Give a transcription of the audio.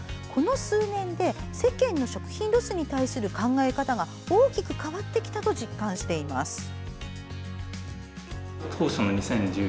この数年で世間の食品ロスに対する考え方が大きく変わってきたと実感しています。